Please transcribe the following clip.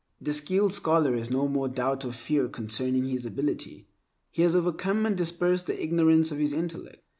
The skilled scholar has no more doubt or fear concerning his ability. He has overcome and dispersed the ignorance of his intellect.